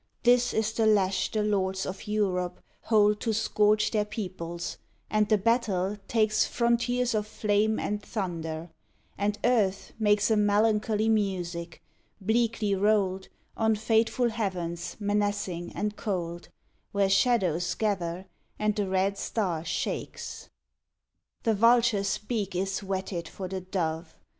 This is the lash the lords of Europe hold To scourge their peoples, and the battle takes Frontiers of flame and thunder, and Earth makes A melancholy music, bleakly rolled On fateful heavens menacing and cold, Where Shadows gather and the Red Star shakes. The vulture s beak is whetted for the dove.